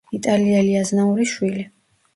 იტალიელი აზნაურის შვილი.